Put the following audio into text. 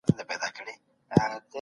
ښايي وګړپوهنه په ټولنپوهنه کي مدغم سي.